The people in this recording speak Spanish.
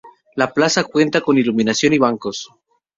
La plaza cuenta con iluminación y bancos.